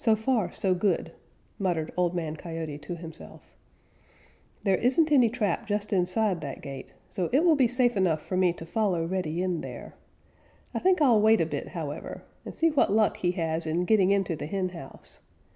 "So far, so good," muttered Old Man Coyote to himself. "There isn't any trap just inside that gate, so it will be safe enough for me to follow Reddy in there. I think I'll wait a bit, however, and see what luck he has in getting into the henhouse.